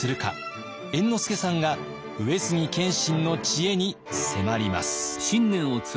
猿之助さんが上杉謙信の知恵に迫ります。